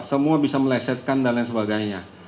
semua bisa melesetkan dan lain sebagainya